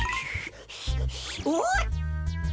おっ！